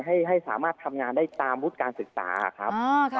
ให้สามารถทำงานได้ตามวุฒิการศึกษาครับ